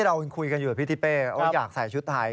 เรายังคุยกันอยู่พี่ทิเป้ว่าอยากใส่ชุดไทย